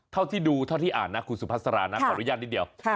เท่าที่ดูเท่าที่อ่านนะคุณสุพัษฎรานะขอร้อยยันนิดเดียว